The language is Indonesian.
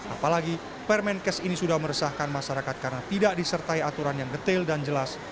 apalagi permenkes ini sudah meresahkan masyarakat karena tidak disertai aturan yang detail dan jelas